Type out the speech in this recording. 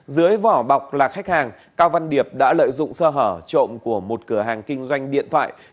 dưới vỏ bọc là khách hàng cao văn điệp đã lợi dụng sơ hở trộm của một cửa hàng kinh doanh điện thoại